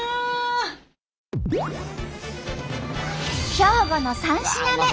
兵庫の３品目。